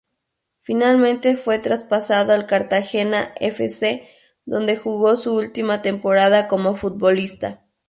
Finalmente fue traspasado al Cartagena F. C., donde jugó su última temporada como futbolista.